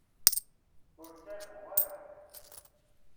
Ur ttargu ara.